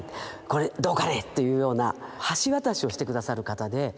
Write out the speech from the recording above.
これどうかね？」っていうような橋渡しをして下さる方で。